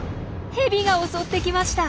ヘビが襲ってきました！